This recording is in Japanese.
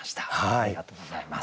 ありがとうございます。